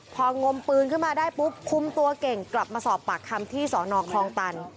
พองมปืนขึ้นมาได้ปุ๊บคุมตัวเก่งกลับมาสอบปากคำที่สอนอคลองตัน